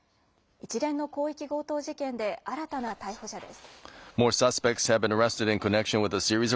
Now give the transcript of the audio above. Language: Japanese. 一連の広域強盗事件で新たな逮捕者です。